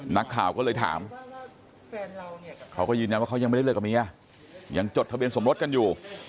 นักข่าวก็เลยถามเขาก็ยืนยันว่าเขายังไม่ได้เลิกกับเมียยังจดทะเบียนสมรสกันอยู่